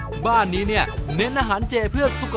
ก็คือมันจะได้วิตามินน้ำมันจะได้หอมด้วยอะค่ะ